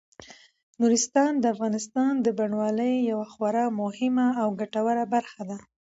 نورستان د افغانستان د بڼوالۍ یوه خورا مهمه او ګټوره برخه ده.